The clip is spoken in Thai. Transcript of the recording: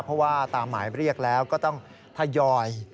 เพราะว่าตามหมายเรียกแล้วก็ต้องทยอย